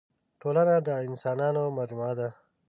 ټولنه د اسانانو مجموعه ده.